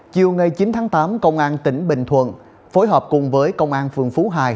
chiều ngày chín tháng tám công an tỉnh bình thuận phối hợp cùng với công an phường phú hải